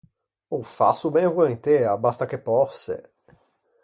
Ô fasso ben voentea, basta che pòsse.